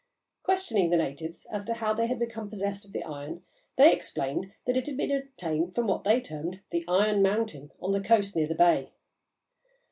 Questioning the natives as to how they had become possessed of the iron, they explained that it had been obtained from what they termed the "iron mountain" on the coast near the bay.